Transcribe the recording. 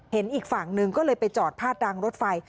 อีกฝั่งหนึ่งก็เลยไปจอดพาดดังรถไฟ